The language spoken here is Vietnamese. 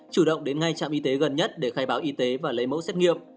chủ động đến ngay trạm y tế gần nhất để khai báo y tế và lấy mẫu xét nghiệm